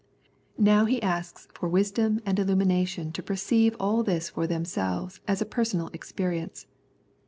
Now he asks for wisdom and illumination to perceive all this for themselves as a personal experience.